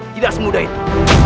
tidak semudah itu